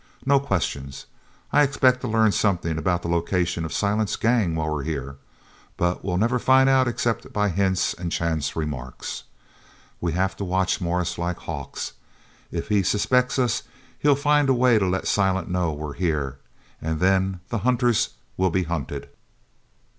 No questions. I expect to learn something about the location of Silent's gang while we're here, but we'll never find out except by hints and chance remarks. We have to watch Morris like hawks. If he suspects us he'll find a way to let Silent know we're here and then the hunters will be hunted."